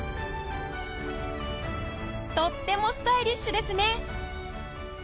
とってもスタイリッシュですね